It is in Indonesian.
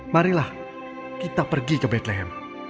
marilah kita pergi ke betlem